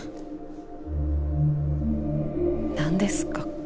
何ですか？